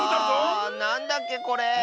あなんだっけこれ？